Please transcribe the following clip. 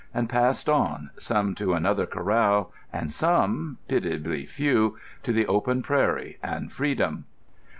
and passed on, some to another corral and some—pitiably few—to the open prairie and freedom.